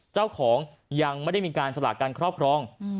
ยังไม่ได้มีการสลากการครอบครอง